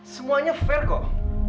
semuanya fair kok